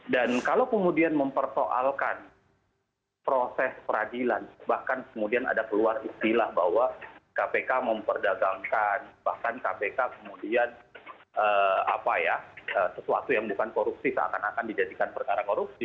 dan kalau kemudian mempertoalkan proses peradilan bahkan kemudian ada keluar istilah bahwa kpk memperdagangkan bahkan kpk kemudian apa ya sesuatu yang bukan korupsi seakan akan dijadikan perkara korupsi